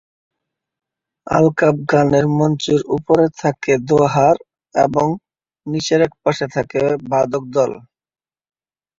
আলকাপ গানের মঞ্চের উপরে থাকে দোহার এবং নিচে একপাশে থাকে বাদকদল।